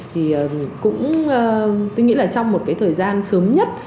thì cũng tôi nghĩ là trong một cái thời gian sớm nhất